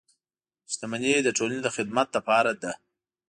• شتمني د ټولنې د خدمت لپاره ده.